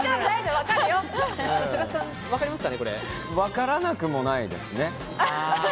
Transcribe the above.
分からなくもないですね。